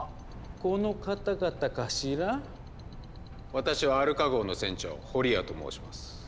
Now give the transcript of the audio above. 私はアルカ号の船長フォリアと申します。